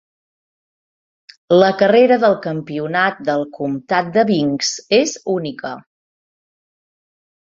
La carrera del Campionat del Comtat de Binks és única.